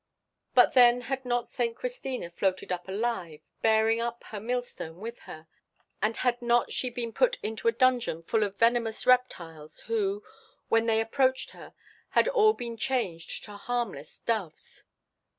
But then had not St. Christina floated up alive, bearing up her millstone with her? And had not she been put into a dungeon full of venomous reptiles who, when they approached her, had all been changed to harmless doves?